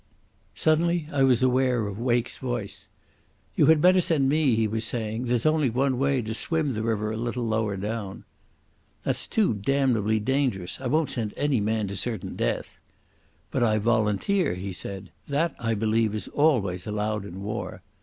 Suddenly I was aware of Wake's voice. "You had better send me," he was saying. "There's only one way—to swim the river a little lower down." "That's too damnably dangerous. I won't send any man to certain death." "But I volunteer," he said. "That, I believe, is always allowed in war."